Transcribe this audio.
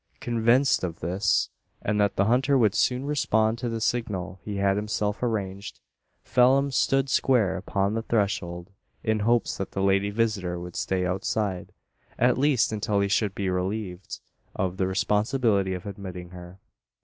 Convinced of this, and that the hunter would soon respond to the signal he had himself arranged, Phelim stood square upon the threshold, in hopes that the lady visitor would stay outside at least, until he should be relieved of the responsibility of admitting her.